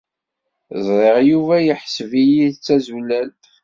Ẓriɣ Yuba yeḥseb-iyi d tazulalt.